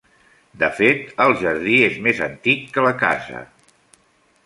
De fet, el jardí és més antic que la casa.